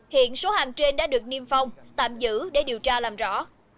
hiện số hàng trên đã được niêm phong tạm giữ để điều tra làm rõ